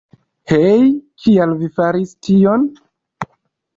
Hej, kial vi faris tion?